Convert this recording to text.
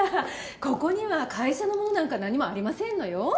ここには会社のものなんか何もありませんのよ。